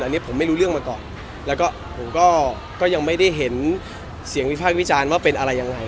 อันนี้ผมไม่รู้เรื่องมาก่อนแล้วก็ผมก็ยังไม่ได้เห็นเสียงวิพากษ์วิจารณ์ว่าเป็นอะไรยังไง